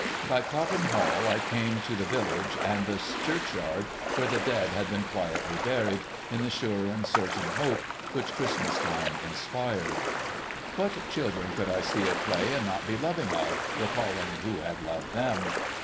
By Cobham Hall, I came to the village, and the churchyard where the dead had been quietly buried, ' in the sure and certain hope ' which Christmas time inspired. What children could I see at play, and not be loving of, recalling who had loved them